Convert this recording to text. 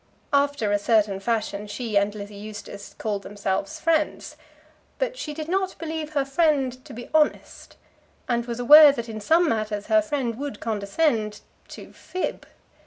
After a certain fashion she and Lizzie Eustace called themselves friends. But she did not believe her friend to be honest, and was aware that in some matters her friend would condescend to fib.